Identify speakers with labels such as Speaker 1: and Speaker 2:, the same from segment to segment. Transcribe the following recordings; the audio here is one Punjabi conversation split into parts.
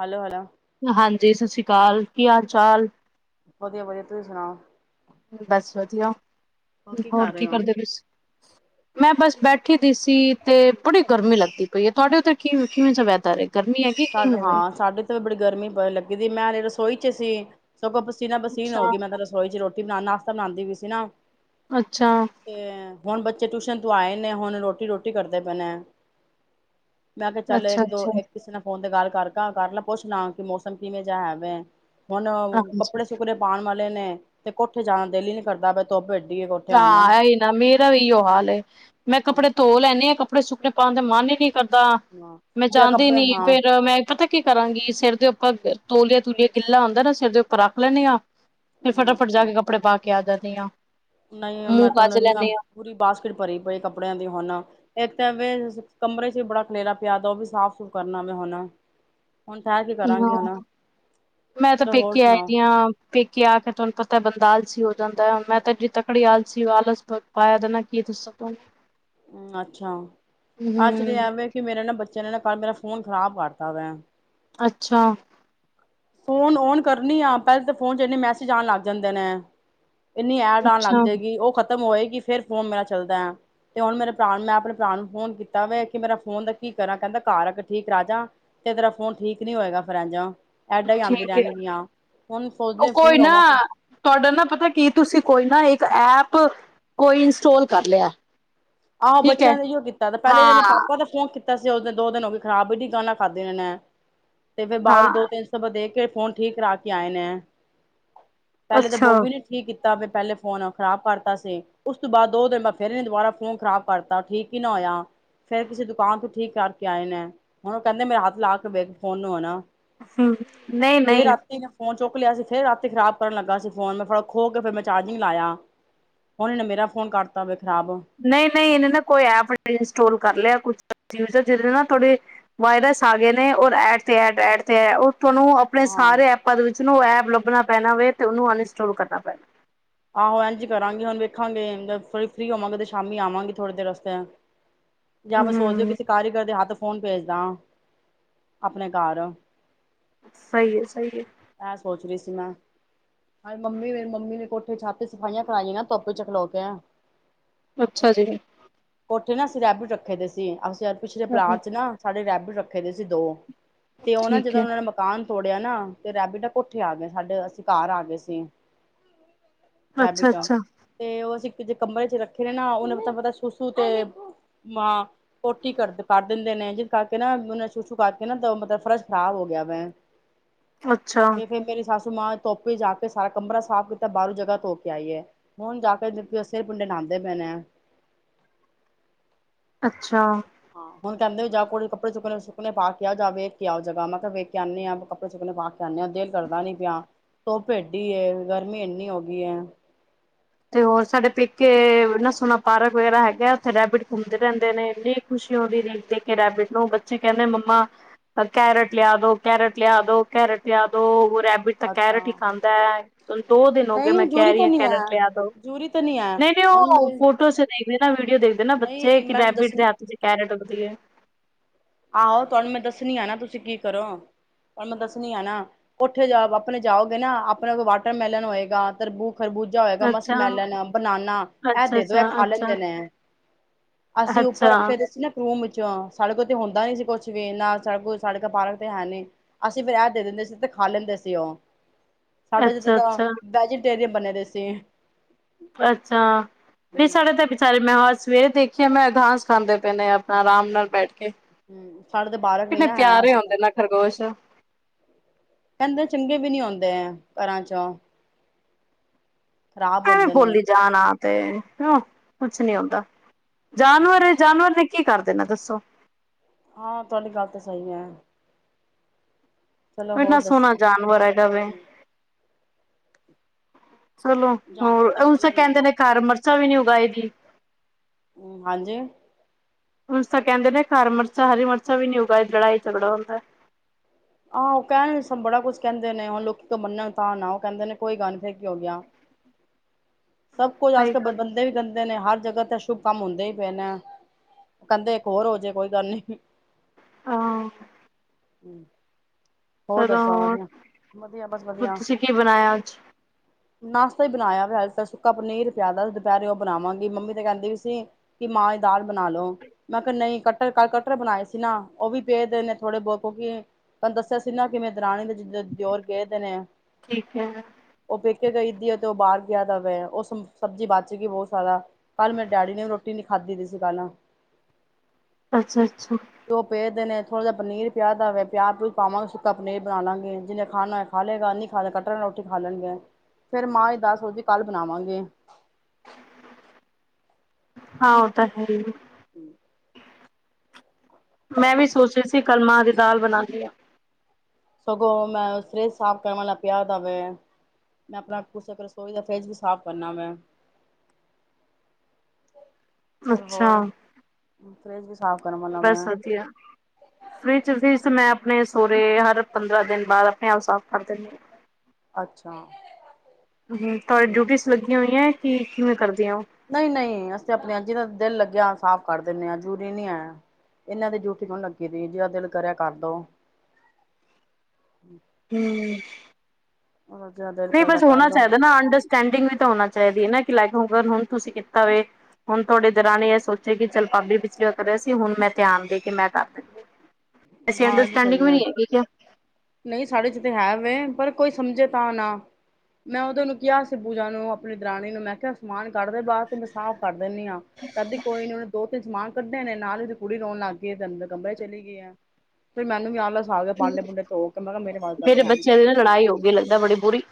Speaker 1: ਹੈਲੋ-ਹੈਲੋ।
Speaker 2: ਹਾਂਜੀ, ਸਤਿ ਸ੍ਰੀ ਅਕਾਲ। ਕੀ ਹਾਲ ਚਾਲ?
Speaker 1: ਵਧੀਆ-ਵਧੀਆ। ਤੁਸੀਂ ਸੁਣਾਓ?
Speaker 2: ਬਸ ਵਧੀਆ। ਹੋਰ
Speaker 1: ਕਰ ਰਹੇ
Speaker 2: ਕੀ
Speaker 1: ਹੋ
Speaker 2: ਕਰਦੇ ਪਏ ਸੀ? ਮੈਂ ਬਸ ਬੈਠੀ ਪੀ ਸੀ ਤੇ ਬੜੀ ਗਰਮੀ ਲੱਗਦੀ ਪਈ ਹੈ। ਤੁਹਾਡੇ ਉੱਤੇ ਕਿ ਕਿਵੇਂ ਵਾਈਦਰ ਹੈ।
Speaker 1: ਸਾਡਾ ਹਾਂ, ਸਾਡੇ ਤੇ ਬੜੀ ਗਰਮੀ ਬਹੁਤ ਲੱਗੀ। ਮੈਂ ਹਲੇ ਰਸੋਈ ਚ ਸੀ। ਸਗੋਂ ਪਸੀਨਾ-ਪਸੀਨ ਹੋ
Speaker 2: ਅੱਛਾ,
Speaker 1: ਗਈ, ਮੈਂ ਤਾਂ ਰਸੋਈ ਚ ਰੋਟੀ ਬਣਾਉਣ ਨਾਲ ਬਨਾਉਂਦੀ ਵੀ ਸੀ ਨਾ
Speaker 2: ਅੱਛਾ,
Speaker 1: ਤੇ ਹੁਣ ਬੱਚ ਬੱਚੇ ਟਿਊਸ਼ਨ ਤੋਂ ਆਏ ਨੇ। ਹੁਣ ਰੋਟੀ-ਰੋਟੀ ਕਰਦੇ ਪਏ ਨੇ ਮੈਂ ਕਿਹਾ ਚੱਲ
Speaker 2: ਅੱਛਾ,
Speaker 1: ਇੱਕ-ਦੋ,
Speaker 2: ਅੱਛਾ
Speaker 1: ਇੱਕ ਕਿਸੇ ਨਾਲ ਫੋਨ ਤੇ ਗੱਲ ਕਰ ਕਰ ਲੈ ਪੁੱਛ ਲਾਂ ਕਿ ਮੌਸਮ ਕਿਵੇਂ ਜਾ ਹੈਵੇ ਹੁਣ,
Speaker 2: ਹਾਂਜੀ।
Speaker 1: ਕੱਪੜੇ ਸੁੱਕਣੇ ਪਾਉਣ ਵਾਲੇ ਨੇ ਤੇ ਕੋਠੇ ਜਾਣ ਨੂੰ ਦਿਲ ਹੀ ਨੀ ਕਰਦਾ, ਵੀ ਧੁੱਪ ਵਿੱਚ
Speaker 2: ਹਾਂ, ਇਹ ਹੀ ਨਾ। ਮੇਰਾ ਵੀ ਏਹੀਓ ਹਾਲ ਹੈ। ਮੈਂ ਕੱਪੜੇ ਧੋ ਲੈਨੀ ਆ ਕੱਪੜ ਕੱਪੜੇ ਸੁੱਕਨੇ ਪਾਉਣ ਦਾ ਮਨ ਹੀ ਨਹੀਂ ਕਰਦਾ ਮੈਂ ਜਾਦੀ
Speaker 1: ਕੱਪੜੇ
Speaker 2: ਨੀ
Speaker 1: ਹਾਂ
Speaker 2: ਫੇਰ ਮੈਂ ਪਤਾ ਕੀ ਕਰਾਂਗੀ ਸਿਰ ਦੇ ਉੱਪਰ ਤੋਲੀਆ ਤੂਲੀਆ ਗਿੱਲਾ ਹੁੰਦਾ ਨਾ ਸਿਰ ਦੇ ਉੱਪਰ ਰੱਖ ਲੈਂਣੀਆਂ ਫ ਫਟਾਫਟ ਜਾ
Speaker 1: ਅੱਛਾ
Speaker 2: ਕੇ ਕੱਪੜੇ ਪਾ ਕੇ ਦੀਆਂ
Speaker 1: ਨਹੀਂ ਮੈਂ ਤਾਂ ਹੂੰ ਇਨਾ ਪੂਰੀ ਬਾਸਕਿਟ ਭਰੀ ਪਈ ਕੱਪੜਿਆਂ ਦੀ ਹੁਣ ਇੱਕ ਤਾਂ ਕਮਰੇ ਚ ਵੀ ਬੜਾ ਕਲੇਰਾ ਪਿਆ ਦਾ ਉਹ ਵੀ ਸਾਫ਼ ਸੁੂਫ਼ ਕਰਨਾ ਵ ਹਣਾ
Speaker 2: ਹੂੰ ਮੈਂ ਤਾਂ
Speaker 1: ਚਲੋ ਹੋਰ
Speaker 2: ਪੇਕੇ
Speaker 1: ਸੁਣਾਓ
Speaker 2: ਆਈਆਂ ਹਾਂ ਪੇਕੇ ਆ ਕੇ ਤੁਹਾਨੂੰ ਪਤਾ ਬੰਦਾ ਆਲਸੀ ਜਾਂਦਾ ਮੈਂ ਤਾਂ ਜ ਤਕੜੀ ਆਲਸੀ ਆਲਸ ਪਾਇਆ ਦੇਦਾ ਕੀ ਦੱਸਾ ਤੁਹਾਨੂੰ
Speaker 1: ਹੂੰ, ਅੱਛਾ ਅੱਜ ਤੇ
Speaker 2: ਹੂੰ
Speaker 1: ਐਵੇ ਕਿ ਮੇਰਾ ਨਾ ਬੱਚ ਚ ਇਹਨਾਂ ਕਰ ਮੇਰਾ ਫੋਨ ਖ਼ਰਾਬ ਕਰਤਾ ਵੈਂ
Speaker 2: ਅੱਛਾ
Speaker 1: ਫੋਨ ਓਨ ਕਰਨੀ ਆ ਪਹਿਲ ਤਾਂ ਫੋਨ ਚ ਇਨੇ ਮੈਸੇਜ ਆਉਣ ਲੱਗ ਜਾਂਦੇ ਨੇ ਇੰਨੀ ਐ ਡਣ ਲੱਗ
Speaker 2: ਅੱਛਾ
Speaker 1: ਜਾਏਗੀ ਉਹ ਖ਼ਤਮ ਹੋਏਗੀ ਫਿਰ ਫੋਨ ਮੇਰਾ ਚੱਲਦਾ ਆ ਤੇ ਹੁਣ ਮੇਰੇ ਭਰਾ ਨੂੰ ਮੈਂ ਆਪਣੇ ਭਰਾ ਨੂੰ ਫੋਨ ਕੀਤਾ ਕਿ ਮੇਰਾ ਫੋਨ ਦਾ ਕੀ ਕਰਾਂ ਕਹਿੰਦਾ ਘਰ ਆ ਠੀਕ ਰਜਾ ਤੇ ਤੇਰਾ ਫੋਨ ਠੀਕ ਨੀ ਹੋਏਗਾ ਫਿਰ ਇੰਝ ਐਡਾਂ ਹੀ ਆਉਂਦੀ
Speaker 2: ਠੀਕ ਹੈ
Speaker 1: ਰਹਿਣਗੀਆਂ ਹੁਣ
Speaker 2: ਉਹ
Speaker 1: ਸੋਚਦੇ ਫ੍ਰਰੀ
Speaker 2: ਕੋਈ ਨਾ
Speaker 1: ਹੋਵਾਂ
Speaker 2: ਤੁਹਾਡਾ ਨਾ ਪਤਾ ਕੀ ਤੁਸੀਂ ਕੋਈ ਨਾ ਇੱਕ ਐਪ ਕੋਈ ਇੰਸਟੋਲ ਕਰ ਲਿਆ।
Speaker 1: ਆਹੋ
Speaker 2: ਠੀਕ ਹੈ
Speaker 1: ਬੱਚਿਆਂ ਨੇ ਇਓ ਕੀਤਾ ਦਾ, ਪਹਿਲੇ ਇਹਦ ਨੇ ਪਾਪਾ ਦਾ ਫੋਨ ਕੀਤਾ। ਅਸੀਂ ਉਸ ਦਿਨ ਦੋ ਦਿਨ ਹੋ ਗਏ ਖ਼ਰਾਬ ਇਹਨੀ ਗਾਲਾ ਖਾਧੀ ਇਹਨੇ। ਤੇ ਫਿਰ
Speaker 2: ਹਾਂ
Speaker 1: ਬਾਹਰੋਂ ਦੋ ਤਿੰਨ ਸੌ ਪ ਦੇ ਕੇ ਫੋਨ ਠੀਕ ਕਰਾ ਕੇ ਆਏ ਨੇ। ਪਹਿਲੇ ਤੇ
Speaker 2: ਅੱਛਾ
Speaker 1: ਬੋਵੀ ਨੀ ਠੀਕ ਕੀ ਤਾਂ। ਪਹਿਲੇ ਫੋਨ ਖਰਾਬ ਕਰਤਾ ਸੀ ਉਸ ਤੋਂ ਬਾਅਦ ਦੋ ਦਿਨ ਬਾਅਦ ਫਿਰ ਇਹਨੇ ਦੁਬਾਰਾ ਫੋਨ ਖਰਾਬ ਕਰਤਾ, ਠੀਕ ਹੀ ਨਾ ਹੋਇਆ ਫੇਰ ਕਿਸੇ ਦੁਕਾਨ ਤੋਂ ਠੀਕ ਕਰਕੇ ਆਏ ਨੇ, ਹੁਣ ਕਹਿੰਦੇ ਮੇਰਾ ਹੱਥ ਲਾ ਕੇ ਵੇਖ ਫੋਨ ਨੂੰ ਹੁਣ।
Speaker 2: ਹ ਨਹੀਂ ਨਹੀਂ।
Speaker 1: ਫੋਨ ਚੁੱਕ ਲਿਆ ਸੀ, ਫਿਰ ਰਾਤੀ ਖ਼ਰਾਬ ਕਰਨ ਲੱਗਾ ਸੀ ਫੋਨ ਮੈਂ ਫੜ ਖੋ ਕੇ ਫਿਰ ਮੈਂ ਚਾਰਜਿੰਗ ਲਾਇਆ। ਹੁਣ ਇਹਨੇ ਮੇਰਾ ਫੋਨ ਕਰਤਾ ਖਰਾਬ।
Speaker 2: ਨਹੀਂ ਨਹੀਂ ਇਹਨੇ ਨਾ ਕੋਈ ਐਪ ਇੰਸਟੋਲ ਕਰ ਲਿਆ ਕੁਛ ਯੂਜ਼ਰ ਜਿਹਦੇ ਨਾ ਥੋੜੇ ਵਾਇਰਸ ਆ ਗਏ ਨੇ ਔਰ ਐਡ ਤੇ ਐਡ ਐਡ ਤੇ ਤੁਹਾਨੂੰ ਆਪਣੇ
Speaker 1: ਹਾਂ
Speaker 2: ਸਾਰੇ ਐਪਾਂ ਦੇ ਵਿੱਚ ਉਸਨੂੰ ਐਪ ਲੱਭਣਾ ਪੈਣਾ ਵੇ ਤੇ ਉਹਨੂੰ ਅਨਇੰਸਟੋਾਲ ਕਰਨਾ ਪੈਣਾ।
Speaker 1: ਆਹੋ ਇਂਜ ਕਰਾਂਗੇ ਹੁਣ ਵੇਖਾਂਗੀ ਫਰੀ ਹੋਵਾਂਗੇ ਤੇ ਸ਼ਾਮੀ ਆਵਾਂਗੇ ਥੋੜੀ ਦੇਰ ਅਸਤੇ ਯਾ ਫੇਰ ਸੋਚਦੇ ਹੋ
Speaker 2: ਹੂੰ
Speaker 1: ਕਿਸੇ ਕਾਰੀਗਰ ਦੇ ਹੱਥ ਫੋਨ ਭੇਜ ਦਾ ਅਪਣੇ ਘਰ।
Speaker 2: ਸਹੀ ਹੈ ਸਹੀ ਹੈ।
Speaker 1: ਪਿਛਲਾ [unintelligible] ਹਾਂ ਮੰਮੀ ਮੇਰੀ ਮੰਮੀ ਵੀ ਕੋ ਤੇ ਛੱਤਈ ਸਫਾਈਆਂ ਕਰਾਈਆਂ ਧੁੱਪ ਚ ਖਲੋ ਕੇ।
Speaker 2: ਅੱਛਾ ਜੀ।
Speaker 1: ਕੋਠੇ ਨਾ ਅਸੀਂ ਰੈਬਿਟ ਰੱਖੇ ਦੇ ਸੀ। ਯਾਰ ਪਿਛਲੇ
Speaker 2: ਚਲੋ
Speaker 1: ਪਲਾਟ ਚ ਨਾ, ਸਾਡੇ ਰੈਬਿਟ ਰਖ ਰੱਖੇ ਦੇ ਸੀ, ਦੋ। ਤੇ ਉਹ ਨਾ,
Speaker 2: ਠੀਕ
Speaker 1: ਜਦੋਂ
Speaker 2: ਹੈ।
Speaker 1: ਉਹਨਾਂ ਨੇ ਮਕਾਨ ਛੋੜਿਆ ਨਾ, ਤੇ ਰੈਬਿਟ ਨਾ ਕੋਠੇ ਆ ਗਏ ਸਾਡੇ, ਅਸੀਂ ਘਰ ਆ ਗਏ ਸੀ।
Speaker 2: ਅੱਛਾ
Speaker 1: ਰੈਬੀਟਾ,
Speaker 2: ਅੱਛਾ
Speaker 1: ਤੇ ਉਹ ਅਸੀ ਜੇ ਕਮਰੇ ਚ ਰੱਖੇ ਨਾ, ਉਹਨੇ ਮਲਬ ਸੁਸੂ ਤੇ ਮਾਂ ਪੋਟੀ ਕਰ ਕਰ ਦਿੰਦੇ ਨੇ, ਜਿਸ ਕਰਕੇ ਨਾ ਉਹੇ ਸੁਸੂ ਕਰਕੇ ਨਾ, ਮਤਲਬ ਫਰਸ਼ ਖਰਾਬ ਹੋ ਗਿਆ ਵੈ।
Speaker 2: ਅੱਛਾ।
Speaker 1: ਸਮਾਂ [unintelligible] ਧੋਪ ਜਾ ਕੇ, ਸਾਰਾ ਕਮਰਾ ਸਾਫ਼ ਤਾਂ ਬਾਹਰੋਂ ਜਗ੍ਹਾ ਧੋ ਕੇ ਆਈ ਏ। ਹੁਣ ਜਾ ਕੇ ਸਿਰ ਪਿੰਡ ਨਾਹਂਦੇ ਪਏਣੇ।
Speaker 2: ਅੱਛਾ।
Speaker 1: ਹਾਂ, ਹੁਣ ਕਹਿੰਦੇ ਵੀ ਜਾ ਕੋੜੇ ਕੱਪੜੇ ਸੁੁੱਕਣੇ ਸੁੱਕਣੇ ਪਾ ਕੇ ਆ, ਜਾ ਵੇਖ ਕੇ ਆ ਜਗ੍ਹਾ, ਮੈਂ ਕਿਹਾ ਵੇਖ ਕੇ ਆਨੀ ਆ, ਕੱਪੜੇ ਸੁੱਕਣੇ ਪਾ ਕੇ ਆਣੇ ਆ, ਦਿਲ ਕਰਦਾ ਨੀ ਪਿਆ। ਧੁੱਪ ਏਡੀ ਏ, ਗਰਮੀ ਇੰਨੀ ਹੋ ਗਈ ਏ।
Speaker 2: ਤੇ ਹੋਰ, ਸਾਡੇ ਪੇਕੇ ਇੰਨਾ ਸੋਹਣਾ ਪਾਰਕ ਵਗੈਰਾ ਹੈਗਾ। ਉੱਥੇ ਰੈਬਿਟ ਘੁੰਮਦੇ ਰਹਿੰਦੇ ਨੇ, ਇੰਨੀ ਖੁਸ਼ੀ ਹੁੰਦੀ ਦੇਖ ਦੇਖ ਕੇ ਰੈਬਿਟ ਨੂੰ, ਬੱਚੇ ਕਹਿੰਦੇ ਮੰਮਾ ਕੈਰਟ ਲਿਆ ਦੋ, ਕੈਰਟ ਲਿਆ ਦੋ, ਕੈਰਟ ਲਿਆ ਦੋ। ਰੈਬਿਟ ਤਾਂ
Speaker 1: ਅੱਛਾ
Speaker 2: ਕੈਰਟ ਹੀ ਖਾਂਦਾ। ਹੁੰਨ ਦੋ ਦਿਨ ਹੋ ਗਏ,
Speaker 1: ਨਹੀਂ
Speaker 2: ਮੈਂ ਕਹਿ
Speaker 1: ਜੂਰੀ
Speaker 2: ਰਹੀ
Speaker 1: ਤਾਂ
Speaker 2: ਹਾਂ
Speaker 1: ਨਹੀਂ ਹੈ
Speaker 2: ਕੈਰਟ
Speaker 1: ਜੂਰੀ ਤਾਂ ਨਹੀਂ ਹੈ
Speaker 2: ਨਹੀਂ-ਨਹੀਂ
Speaker 1: ਹੁਣ
Speaker 2: ਉਹ ਫੋਟੋ ਚ ਦੇਖਦੇ ਨਾ ਵੀਡੀਓ ਦੇਖਦੇ ਨਾ ਬੱਚੇ
Speaker 1: ਨਹੀਂ ਮੈਂ ਦੱਸ
Speaker 2: ਰੈਬਿਡ ਦੇ ਹੱਥ ਚ ਕੈਰਟ ਉੱਗਦੀ ਹੈ।
Speaker 1: ਆਹੋ ਤੁਹਾਨੂੰ ਮੈਂ ਦੱਸਣੀ ਆ ਨਾ ਤੁਸੀਂ ਕੀ ਕਰੋ। ਤੁਾਨੂੰ ਮੈਂ ਦੱਸਣੀ ਆ ਨਾ ਕੋਠੇ ਜਾ ਆਪਣੇ ਜਾਓਗੇ ਨਾ, ਆਪਣੇ ਕੋਲ ਵਾਟਰਮੈਲਨ ਹੋਏਗਾ ਤਬੂ ਖਰਬੂਜਾ ਹੋਏਗਾ, ਮਸਤ
Speaker 2: ਅੱਛਾ
Speaker 1: ਮੈਲੈਣ,, ਬਨਾਨਾ ਇਹ
Speaker 2: ਅੱਛਾ
Speaker 1: ਦੇ ਦੋ
Speaker 2: ਅੱਛਾ
Speaker 1: ਇਹ ਖਾ
Speaker 2: ਅੱਛਾ
Speaker 1: ਲੈਂਦੇ ਨੇ। ਅਸੀਂ ਉੱਪਰ
Speaker 2: ਅੱਛਾ
Speaker 1: ਰੱਖੇ ਦੇ ਸੀ ਨਾ ਕੂਮ ਵਿੱਚ ਸਾਡੇ ਕੋ ਹੁੰਦਾ ਨੀ ਸੀ ਕੁਛ ਵੀ ਨਾ ਸ ਸਾਡੇ ਘਰ ਪਾਰਕ ਤੇ ਹੈ ਨੀ, ਅਸੀਂ ਫਿਰ ਇਹ ਦੇ ਦਿੰਦੇ ਸੀ ਤੇ ਖਾ ਲੈਂਦੇ ਸੀ ਉਹ। ਸਾਡੇ ਜਿੱਦਾਂ
Speaker 2: ਅੱਛਾ
Speaker 1: ਦਾ
Speaker 2: ਅੱਛਾ
Speaker 1: ਵੈਜੀਟੇਰੀਅਨ ਬਣੇ ਦੇ ਸੀ।
Speaker 2: ਅੱਛਾ ਨਹੀਂ
Speaker 1: ਹੂੰ
Speaker 2: ਸਾਡੇ ਤੇ ਬੇਚਾਰੇ ਮੈਂ ਸਵੇਰੇ ਦੇਖੀਏ ਮੈਂ ਘਾਸ ਖਾਂਦੇ ਪਏ ਨੇ ਆਪਣਾ ਆਰਾਮ ਨਾਲ ਬੈਠ ਕੇ
Speaker 1: ਹਮ ਸਾਡੇ ਤੇ ਬਾਰਕ ਨੀ
Speaker 2: ਕਿੰਨੇ
Speaker 1: ਨਾ ਹੈ
Speaker 2: ਪਿਆਰੇ
Speaker 1: ਅਸੀਂ ਤਾਂ,
Speaker 2: ਹੁੰਦੇ ਨਾ ਖਰਗੋਸ਼।
Speaker 1: ਕਹਿੰਦੇ ਚੰਗੇ ਵੀ ਨੀ ਹੁੰ ਘਰਾਂ ਚ। ਖਰਾਬ
Speaker 2: ਐਵੇਂ
Speaker 1: ਹੁੰਦੇ ਨੇ।
Speaker 2: ਬੋਲੀ ਜਾਣ ਆ ਤੇ ਕੁਛ ਨੀ ਹੁੰਦਾ। ਜਾਨਵਰ ਏ ਜਾਨਵਰ ਨੇ ਕੀ ਕਰ ਦੇਨੇ ਦੱਸੋ?
Speaker 1: ਹਾਂ, ਤੁਹਾਡੀ ਗੱਲ ਤਾਂ ਸਹੀ ਹੈ। ਚਲੋ
Speaker 2: ਉਹ
Speaker 1: ਹੋਰ
Speaker 2: ਇੰਨਾ ਸੋਹਣਾ
Speaker 1: ਦੱਸੋ
Speaker 2: ਜਾਨਵਰ ਹੈਗਾ ਵੇ।
Speaker 1: ਹੂੰ,
Speaker 2: ਚਲੋ ਹੋਰ ਉਂਜ ਤੇ ਕਹਿੰਦੇ ਨੇ ਘਰ ਮਿਰਚਾਂ ਵੀ ਨੀ ਉਗਾਈ ਦੀ।
Speaker 1: ਹਾਂਜੀ?
Speaker 2: ਉੰਝ ਤਾਂ ਕਹਿੰਦੇ ਨੇ ਹਰ ਮਿਰਚਾਂ, ਹਰੀ ਮਿਰਚਾਂ ਵੀ ਨੀ ਊਗਾ ਲੜਾਈ ਝਗੜਾ ਹੁੰਦਾ।
Speaker 1: ਆਹੋ ਉਹ ਕਹਿਣ ਬੜਾ ਕੁਝ ਕਹਿੰਦੇ ਨੇ, ਹੁਣ ਲੋਕੀ ਮੰਨਣ ਤਾਂ ਨਾ ਉਹ ਕਹਿੰਦੇ ਨੇ ਕੋਈ ਗੱਲ ਨੀ ਫਿਰ ਕਿ ਹੋ ਗਿਆ। ਸਭ ਕੁਝ ਆਜ
Speaker 2: ਸਹੀ
Speaker 1: ਕਲ
Speaker 2: ਗੱਲ
Speaker 1: ਬੰਦੇ ਵੀ ਗੰ ਕਿੰਦੇ ਨੇ ਹਰ ਜਗ੍ਹਾ ਤੇ ਸ਼ੁਭ ਕੰਮ ਹੁੰਦੇ ਹੀ ਪਏ ਨੇ ਕਹਦੇ ਇੱਕ ਹੋਰ ਹੋ ਜੇ ਕੋਈ ਗੱਲ ਨੀ।
Speaker 2: ਆਹ।
Speaker 1: ਹਮ
Speaker 2: ਚਲੋ ਹੋਰ
Speaker 1: ਵਧੀਆ ਬਸ ਵਧੀਆ
Speaker 2: ਤੁਸੀਂ ਕੀ ਬਣਾਇਆ ਅੱਜ।
Speaker 1: ਨਾਸ਼ਤਾ ਹੀ ਬਣਾਇਆ ਵ ਸੁੱਕਾ ਪਨੀਰ ਪਿਆਦਾ ਦੁਪਹਿਰੇ ਉਹ ਬਣਾਵਾਂਗੀ ਮੰਮੀ ਤੇ ਕਹਿੰਦੀ ਵੀ ਸੀ ਕਿ ਮਾਂ ਦੀ ਦਾਲ ਬਣਾ ਲੋੋ ਮੈਂ ਕਿਹਾ ਨਹੀਂ ਕਟਰ ਕੱਲ ਕਟਰ ਬਣਾਏ ਸੀ ਨਾ ਉਹ ਵੀ ਪੇਦੇ ਨੇ ਥੋੜੇ ਬਹੁਤ ਕਿਉਂਕਿ ਤੈਨੂੰ ਦੱਸਿਆ ਸੀ ਨਾ ਕਿ ਮੇਰੀ ਦਰਾਣੀ ਦੀ [unintelligible] ਦਿਓਰ ਕਹਿ ਦੇਨ ਆ
Speaker 2: ਠੀਕ ਹੈ
Speaker 1: ਉਹ ਪੈ ਕੇ ਗਈਦੀ ਆ ਤੇ ਉਹ ਬਾਹਰ ਗਿਆ ਤਾਂ ਵੈਂ ਉਹ ਸ ਸਬਜ਼ੀ ਬਚ ਗਈ ਬਹੁਤ ਸਾਰਾ ਕੱਲ੍ਹ ਮੇਰੇ ਡੈਡੀ ਨੇ ਵੀ ਰੋਟੀ ਨੀ ਖਾਧੀ ਦੀ ਸੀ ਕੱਲ।
Speaker 2: ਅੱਛਾ ਅੱਛਾ
Speaker 1: ਤੇ ਉਹ ਪਏ ਦੇ ਨੇ। ਥੋੜਾ ਜਿਹਾ ਪਨੀਰ ਪਿਆ ਦਾ ਵੇ। ਪਿਆਜ ਪਿਊਜ ਪਾਵਾਂਗੇ ਸੁੱਕਾ ਪਨੀਰ ਬਣਾ ਲਾਂਘੇ ਜਿਨੇ ਖਾਣਾ ਹੈ ਖਾ ਲਏਗਾ ਨੀ ਖਾ ਲ ਕੱਟਣ ਵਾਲ ਰੋਟੀ ਖਾ ਲੈਣਗੇ ਫੇਰ ਮਾਂ ਮਾਂ ਦੀ ਦਾਲ ਸੋਚਦੀ ਕੱਲ ਬਣਾਵਾਂਗੀ।
Speaker 2: ਹਾਂ ਉਹ ਤਾਂ ਹੈ ਹੀ।
Speaker 1: ਹਮ
Speaker 2: ਮੈਂ ਵੀ ਸੋਚਹੀ ਸੀ ਕਲ ਮਾਂ ਦੀ ਦਾਲ ਬਣਾਨੀ ਆ।
Speaker 1: ਸਗੋਂ ਮੈਂ ਫਰਿਜ ਸਾਫ਼ ਕਰਨ ਵਾਲਾ ਪਿਆ ਦਾ ਵੈ ਮੈਂ ਆਪਣਾ ਰਸੋਈ ਦਾ ਫਰਿੱਜ ਵੀ ਸਾਫ਼ ਕਰਨਾ ਵੈ। ਚੱਲ
Speaker 2: ਅੱਛਾ
Speaker 1: ਹੋਰ ਫ [inaudible]
Speaker 2: ਬਸ ਵਧੀਆ, ਫ੍ਰਿਜ ਫਿਰ ਮੈਂ ਆਪ ਆਪਣੇ ਸਹੁਰੇ ਹਰ ਪੰਦਰਾਂ ਦਿਨ ਬਾਅਦ, ਆਪਣੇ ਆਪ ਸਾਫ਼ ਕਰ ਦਿੰਦੇ ਆ।
Speaker 1: ਅੱਛਾ,
Speaker 2: ਹੂੰ ਤੁਹਾਡੀ ਡਿਊਟੀਜ਼ ਲੱਗੀਆਂ ਹੋਈਆਂ ਕਿ ਕਿਵੇਂ ਕਰਦੀਆਂ ਹੋ?
Speaker 1: ਨਹੀਂ -ਨਹੀਂ ਅਸੀ ਤੇ ਆਪਣ ਜਿਹਦਾ ਦਿਲ ਲੱਗਿਆ ਸਾਫ਼ ਕਰ ਦਿੰਦੇ ਆਂ, ਜ਼ੂਰੀ ਨੀ ਆਇਆ, ਇਹਨਾਂ ਦੀ ਜੂਠੀ ਕਿਣ ਲੱਗੀ ਤ ਜਿ ਦਿਲ ਕਰਿਆ ਕਰਦੋ।
Speaker 2: ਹਮ।
Speaker 1: ਜਿਹਦਾ ਦਿਲ
Speaker 2: ਨਹੀਂ
Speaker 1: ਕਰਦਾ
Speaker 2: ਬਸ
Speaker 1: ਕਰ
Speaker 2: ਹੋਣਾ
Speaker 1: ਲਓ
Speaker 2: ਚਾਹੀਦਾ ਨਾ, ਅੰਡਰਸਟੈਂਡਿੰਗ ਵੀ ਤਾਂ ਹੋਣਾ ਚਾਹੀਦੀ ਹੈ ਨਾ। ਲੱਗ ਹੋਗ ਹੁਣ ਤੁਸੀਂ ਕੀਤਾ ਵੇ, ਹੁਣ ਤੁਹਾਡੇ ਦੇਰਾਨੀ ਨੇ ਇਹ ਸੋਚਿਆ ਕਿ, ਚੱਲ ਪਾਬੀ ਪਿਛਲੀ ਵ ਕਰ ਰਿਹਾ ਸੀ ਹੁਣ ਮੈਂ ਧਿਆਨ ਦੇ ਕੇ ਮੈਂ ਕਰ ਦ
Speaker 1: ਹਾਂ, ਇਹ ਵੀ ਸਹੀ ਆ। ਨਹੀਂ ਸਾਡੇ ਚ ਤੇ ਹੈ ਵ ਪਰ ਕੋਈ ਸਮਝੇ ਤਾਂ ਨਾ, ਮੈਂ ਉਹਦੇ ਨੂੰ ਕਿਹਾ ਸਿ ਪੂਜਾ ਨੂੰ, ਆਪਣੀ ਦਰਾਣੀ ਨੂੰ ਮੈਂ ਕਿਹਾ ਸਮਾਨ ਕਦੇ ਬਾਅਦ ਤੇ ਮੈਂ ਸਾਫ਼ ਕਰ ਦਿੰਨੀ ਆਂ, ਕਦੀ ਕੋਈ ਨੀ ਉਹਨੇ ਦੋ ਤਿੰਨ ਸਮਾਨ ਕੱਢੇ ਨੇ, ਨਾਲ ਹੀ ਤੇ ਕੁੜੀ ਰੋਣ ਲੱਗ ਗਈਏ, ਤੈ ਅੰਦਰ ਕਮਰੇ ਚਲੇ ਗਈਆਂ। ਤੇ ਮੈਨੂੰ ਵੀੱ ਖਾ ਕੇ, ਭਾਂਡੇ -ਭੂੰਡੇ ਧੋ ਕੇ, ਮੈਂ ਕਿਹਾ ਮੇਰੇ ਵਾਸਦਾ ਤੇ ਹੈ ਨੀ ਤ
Speaker 2: ਬੱਚਿਆਂ ਦੀ ਨਾ
Speaker 1: ਪਹਿਣਾ
Speaker 2: ਲੜਾਈ ਹੋ ਗਈ ਲੱਗਦਾ ਬੜੀ ਬੁਰੀ।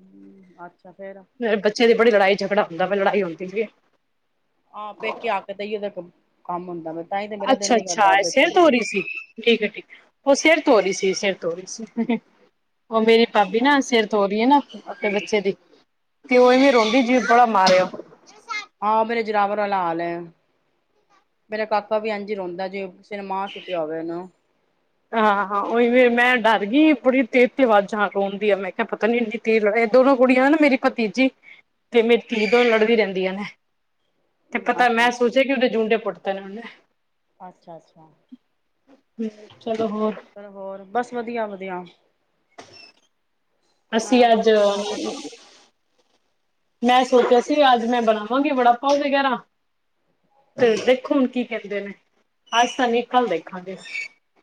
Speaker 1: ਹਮ, ਅੱਛਾ। ਫੇਰ
Speaker 2: ਬੱਚੇ ਦੀ ਬੜੀ ਲੜਾਈ ਝਗੜਾ ਹੁੰਦਾ ਵੇ, ਲੜਾਈ ਹੁੰਦੀ ਠੀਕ ਹੈ।
Speaker 1: ਹਾਂ ਪੇਕੇ ਆ ਕੇ, ਤਾਂ ਹੀ ਉਹਦਾ ਇੱਕ ਕੰਮ ਹੁੰਦਾ ਵ
Speaker 2: ਅੱਛਾ -ਅੱਛਾ ਸਿਰ ਧੋ ਰਹੀ ਸੀ, ਠੀਕ ਹੈ, ਠੀਕ ਉਹ ਸਿਰ ਧੋ ਰਹੀ ਸੀ, ਸਿਰ। [unintelligible] ਉਹ ਮੇਰੀ ਭਾਬੀ ਨਾ
Speaker 1: ਅੱਛਾ
Speaker 2: ਸਿਰ ਧੋ ਰਹੀ ਹੈ ਨਾ। ਆਪਣੇ ਬੱਚੇ ਦੀ ਤੇ, ਓਵੇ ਰੋਂਦੀ ਜੀ ਬਲਾ ਮਾਰਿਆ। ਜ [inaudible]
Speaker 1: ਆਹੋ ਮੇਰੇ ਜਰਾਵਰ ਵਾਲਾ ਹਾਲ ਹੈ, ਮੇਰਾ ਕਾਕਾ ਵੀ ਇੰਝ ਰੋਂਦਾ ਜੇ ਸਿਨਮਾਂ ਛੁੱਟੀ ਹੋਵੇ ਨਾ [inaudible]
Speaker 2: ਹਾਂ ਹਾਂ ਉਓਹੀ ਮੈਂ ਡਰ ਗਈ, ਬੜੀ ਤੇਜ਼ ਤੇ ਆਵਾਜ਼ਾਂ ਰੋਣ ਦੀ ਆ ਮੈਂ ਕਿਹਾ, ਪਤਾ ਨੀ ਇੰਨੀ ਤੇਜ਼ ਲੜ ਦੋਨੋ ਕੁੜੀਆਂ ਨਾ ਮੇਰੀ ਭਤੀਜੀ ਤੇ ਮੇਰੀ ਧੀ ਦੋਨੋਂ ਲੜਦੀ ਰਹਿੰਦੀਆਂ ਨੇ। ਤੇ ਪਤਾ
Speaker 1: ਅੱਛਾ
Speaker 2: ਮੈਂ
Speaker 1: ਅੱਛਾ
Speaker 2: ਸੋਚਿਆ ਕਿ, ਉਹਦੇ ਜੂੰਡੇ ਪੁੱਟਦੇ ਨੇ ਉਹਨੇ।
Speaker 1: ਅੱਛਾ
Speaker 2: ਚਲੋ ਹੋਰ
Speaker 1: ਚੱਲ ਹੋਰ, ਬਸ ਵਧੀਆ- ਵਧੀਆ। ਮੈਂ
Speaker 2: ਅਸੀਂ ਅੱਜ
Speaker 1: ਕੋਠੇ ਜਾਵਾਂ
Speaker 2: ਮੈਂ ਸੋਚਿਆ ਸੀ, ਅੱਜ ਮੈਂ ਬਣਾਵਾਂਗੀ ਬੜਾ ਪਾਓ ਵਗੈਰਾ, ਤੇ ਦੇਖੋ ਹੁਣ ਕੀ ਕਹਿੰਦੇ ਨੇ, ਅੱਜ ਤਾਂ ਨੀ, ਕੱਲ ਦੇਖਾਂਗੇ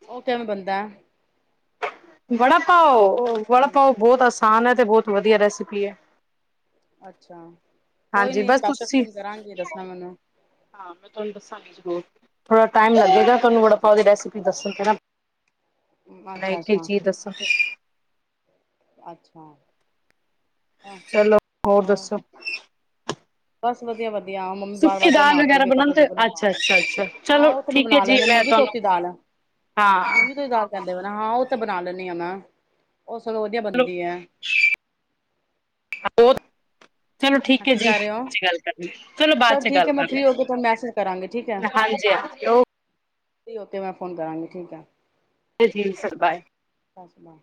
Speaker 1: ਉਹ, ਕਿਵੇਂ ਬੰਦਾ।
Speaker 2: ਬੜਾ ਪਾਓ। ਉਹ ਵੜਾ
Speaker 1: ਹੂੰ
Speaker 2: ਪਾਓ ਬਹੁਤ ਅ ਆਸਾਨ ਹੈ ਤੇ ਬਹੁਤ ਵਧੀਆ ਰੈਸਿਪੀ ਹੈ
Speaker 1: ਅੱਛਾ ਕੋਈ
Speaker 2: ਹਾਂਜੀ
Speaker 1: ਨੀ
Speaker 2: ਬਸ
Speaker 1: ਸਪੈਸ਼ਲ
Speaker 2: ਤੁਸੀ
Speaker 1: ਫੋਨ ਕਰਾਂਗੀ ਦੱਸਣਾ ਮੈਨੂੰ
Speaker 2: ਹਾਂ ਮੈਂ ਤੁਹਾਨੂੰ ਦੱਸਾਂਗੀ ਜ਼ਰੂਰ ਥੋੜ੍ਹਾ ਟਾਇਮ ਲੱਗੇਗਾ ਤੁਹਾਨੂੰ ਵੜਾ ਪਾਓ ਦੀ ਰੈਸਿਪੀ ਦੱਸਣ ਤੇ ਨਾ ਮ
Speaker 1: ਅੱਛਾ
Speaker 2: ਇੱਕ ਇੱਕ
Speaker 1: ਅੱਛਾ
Speaker 2: ਚੀਜ ਦੱਸੋ ਗਈ
Speaker 1: ਅੱਛਾ
Speaker 2: ਚਲੋ ਹੋਰ ਦੱਸੋ
Speaker 1: ਬਸ ਵਧੀਆ ਵਧੀਆ ਮੰਮੀ ਬਾਰ
Speaker 2: ਸੁੱਕੀ
Speaker 1: ਵਜਾ
Speaker 2: ਦਾਲ
Speaker 1: ਮਾਰਦੀ
Speaker 2: ਵਗੈਰਾ
Speaker 1: ਵੀ ਕੱਪੜੇ
Speaker 2: ਬਣਾਉਂਦੇ
Speaker 1: ਸੁੱਕਣ
Speaker 2: ਹੋ?
Speaker 1: ਪਾ
Speaker 2: ਅੱਛਾ ਅੱਛਾ ਅੱਛਾ ਚਲੋ
Speaker 1: ਆਉ ਉਹ ਤਾ
Speaker 2: ਠੀਕ ਹੈ
Speaker 1: ਬਣਾ
Speaker 2: ਜੀ
Speaker 1: ਲੈਣੇ
Speaker 2: ਮੈਂ
Speaker 1: ਮੂੰਗੀ
Speaker 2: ਤੁਹਾਨੂੰ
Speaker 1: ਧੋਤੀ ਦਾਲ
Speaker 2: ਹਾਂ
Speaker 1: ਮੂੰਗੀ ਧੋਤੀ ਦਾਲ ਕਹਿੰਦੇ ਵ ਹਾਂ ਉਹ ਤਾਂ ਬਣਾ ਲੈਂਦੀ ਆ ਮੈਂ ਉਹ ਸਗੋਂ ਵਧੀਆ
Speaker 2: ਚਲੋ
Speaker 1: ਬਣਦੀ ਹੈ
Speaker 2: ਉਹ ਚਲੋ
Speaker 1: ਹਾਂ
Speaker 2: ਠੀਕ ਹੈ
Speaker 1: ਕੀ
Speaker 2: ਜੀ
Speaker 1: ਕਰ ਰਹੇ ਹੋ
Speaker 2: ਗੱਲ ਕਰ ਚਲੋ ਬਾਅਦ
Speaker 1: ਚਲ
Speaker 2: ਚ
Speaker 1: ਠੀਕ
Speaker 2: ਗੱਲ
Speaker 1: ਹੈ ਮੈਂ
Speaker 2: ਕਰ
Speaker 1: ਫਰੀ ਹੋ ਕੇ ਤੁਹਾਨੂੰ ਮੈਸੇਜ ਕਰਾਂਗੀ ਠੀਕ ਹੈ
Speaker 2: ਲ ਹਾਂਜੀ ਹਾਂਜੀ
Speaker 1: ਫਰੀ ਹੋ ਕੇ ਮੈਂ ਫੋਨ ਕਰਾਂਗੀ ਠੀਕ ਆ
Speaker 2: ਜਧੀਮ ਸਏ
Speaker 1: ਬਸਮ